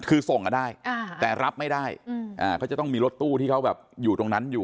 คือส่งกันได้แต่รับไม่ได้เขาจะต้องมีรถตู้ที่เขาแบบอยู่ตรงนั้นอยู่